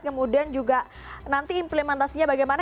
kemudian juga nanti implementasinya bagaimana